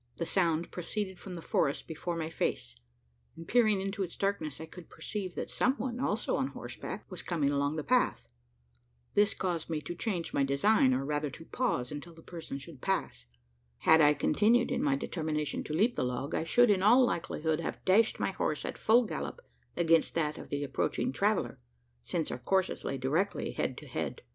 The sound proceeded from the forest before my face; and, peering into its darkness, I could perceive that some one, also on horseback, was coming along the path. This caused me to change my design, or rather to pause until the person should pass. Had I continued in my determination to leap the log, I should, in all likelihood, have dashed my horse at full gallop against that of the approaching traveller; since our courses lay directly head to head.